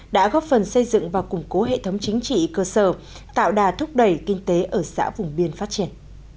đã góp phần xây dựng và củng cố hệ thống chính trị cơ sở tạo đà thúc đẩy kinh tế ở xã vùng biên phát triển